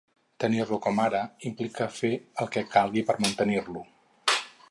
Tenir-lo, com ara, implica fer el que calgui per mantenir-lo.